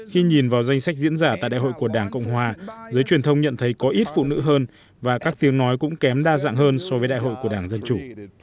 khi nhìn vào danh sách diễn giả tại đại hội của đảng cộng hòa giới truyền thông nhận thấy có ít phụ nữ hơn và các tiếng nói cũng kém đa dạng hơn so với đại hội của đảng dân chủ